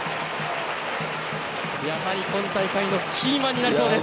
やはり今大会のキーマンになりそうです。